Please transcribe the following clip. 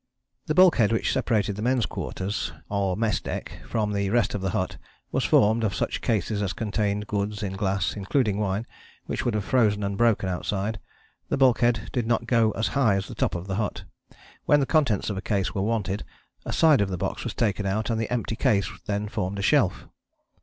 The bulkhead which separated the men's quarters, or mess deck, from the rest of the hut, was formed of such cases as contained goods in glass, including wine, which would have frozen and broken outside. The bulkhead did not go as high as the top of the hut. When the contents of a case were wanted, a side of the box was taken out, and the empty case then formed a shelf.